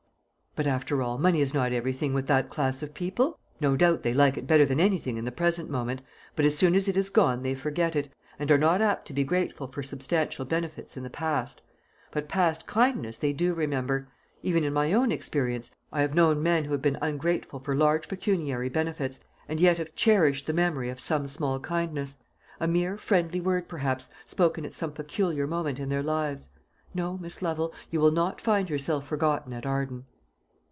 "But, after all, money is not everything with that class of people. No doubt they like it better than anything in the present moment; but as soon as it is gone they forget it, and are not apt to be grateful for substantial benefits in the past. But past kindness they do remember. Even in my own experience, I have known men who have been ungrateful for large pecuniary benefits, and yet have cherished the memory of some small kindness; a mere friendly word perhaps, spoken at some peculiar moment in their lives. No, Miss Lovel, you will not find yourself forgotten at Arden."